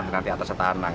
nanti atas setanang